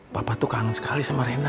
papa tuh kangen sekali sama rena